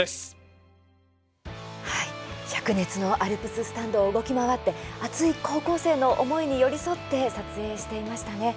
しゃく熱のアルプススタンド動き回って高校生に寄り添って撮影していましたね。